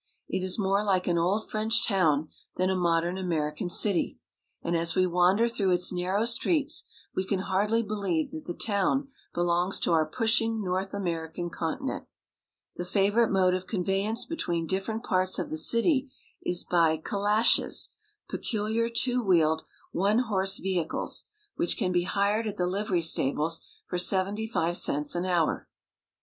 It is more like an old French town than a mod ern American city ; and as we wander through its narrow streets we can hardly believe that the town belongs to our pushing North American continent. The favorite mode of conveyance between different parts of the city is by calashes, peculiar two wheeled, one horse vehicles, which NOVA SCOTIA TO MEXICO. 327 ^ .v^J A Calash. can be hired at the Hvery stables for seventy five cents an hour.